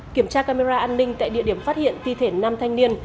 kiểm tra camera an ninh tại địa điểm phát hiện ti thể nam thanh niên